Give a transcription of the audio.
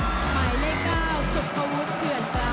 หมายเลข๙สวมพุทธเชื่อญการ